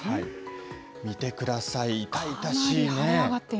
見てください、痛々しい。